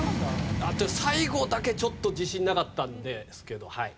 最後だけちょっと自信なかったんですけどはい。